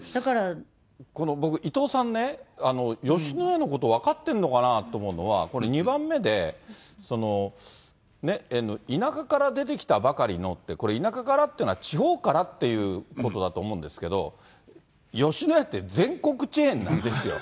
これ、僕、伊東さんね、吉野家のこと分かってるのかなと思うのは、これ、２番目で、田舎から出てきたばかりのって、これ、田舎からっていうのは地方からっていうことだと思うんですけど、吉野家って全国チェーンなんですよ。